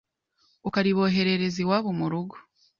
ukariboherereza iwabo mu rugo.